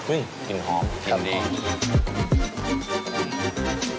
อื้มกลิ่นหอมกลิ่นดีครับหอม